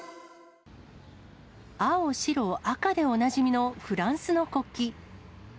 青、白、赤でおなじみのフランスの国旗。